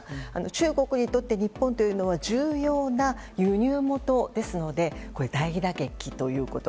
中国にとって日本は重要な輸入元ですので大打撃ということ。